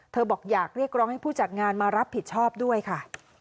บอกอยากเรียกร้องให้ผู้จัดงานมารับผิดชอบด้วยค่ะ